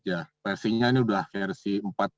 ya versinya ini sudah versi empat